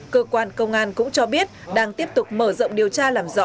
cơ quan công an cũng cho biết đang tiếp tục mở rộng điều tra làm rõ